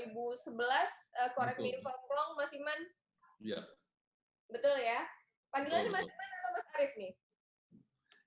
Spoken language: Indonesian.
panggilan mas iman atau mas arief nih